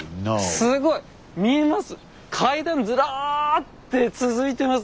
すごい見えます？